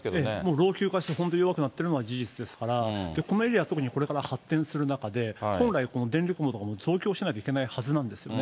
老朽化して本当弱くなってるのは事実ですから、このエリア、特にこれから発展する中で、本来、この電力網とかも増強しないといけないはずなんですね。